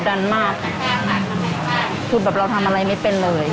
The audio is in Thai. ดันมากคือแบบเราทำอะไรไม่เป็นเลย